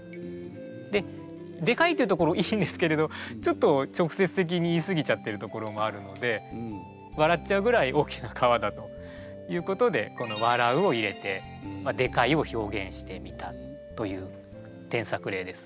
ででかいというところいいんですけれどちょっと直接的に言い過ぎちゃってるところもあるので笑っちゃうぐらい大きな皮だということでこの「笑う」を入れて「でかい」を表現してみたという添削例です。